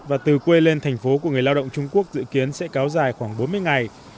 và từ quê lên thành phố của người lao động trung quốc dự kiến sẽ kéo dài khoảng bốn mươi ngày